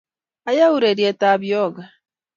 Ayae ureriet ab yoga